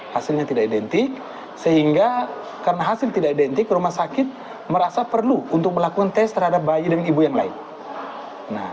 hasilnya tidak identik sehingga karena hasil tidak identik rumah sakit merasa perlu untuk melakukan tes terhadap bayi dan ibu yang lain